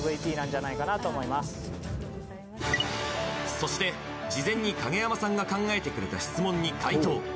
そして事前に影山さんが考えてくれた質問に回答。